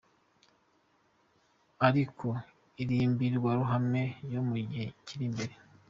Ariko ni imbwirwaruhame yo mu gihe kiri imbere.